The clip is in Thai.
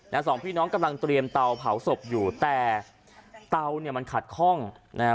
สองพี่น้องกำลังเตรียมเตาเผาศพอยู่แต่เตาเนี่ยมันขัดข้องนะฮะ